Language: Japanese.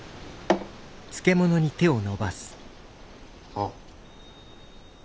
あっ。